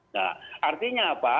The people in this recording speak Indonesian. nah artinya apa